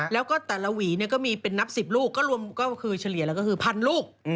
แล้วก็แต่ละหวีก็มีเป็นนับ๑๐ลูกก็รวมก็คือเฉลี่ยแล้วก็คือพันลูก